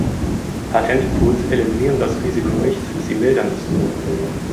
Patentpools eliminieren das Risiko nicht, sie mildern es nur.